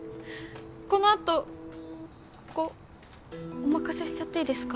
この後ここお任せしちゃっていいですか？